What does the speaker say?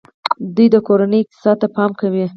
دوی د کورنۍ اقتصاد ته پام کوي.